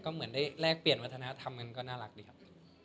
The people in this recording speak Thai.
ก็เหมือนได้แลกเปลี่ยนวัฒนธรรมกันก็น่ารักดีครับ